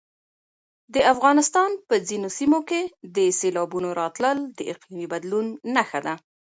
د افغانستان په ځینو سیمو کې د سېلابونو راتلل د اقلیمي بدلون نښه ده.